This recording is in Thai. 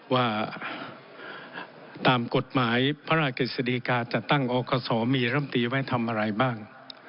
ว่าตามกฎหมายพระราชกฤษฎีกาจัดตั้งอกศมีร่ำตีไว้ทำอะไรบ้าง